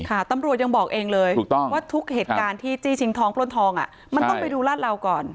ตำรวจยังบอกเองเลยว่าทุกเหตุการณ์ที่จี้ชิงทองปล้นทองมันต้องไปดูลาดเหลาก่อน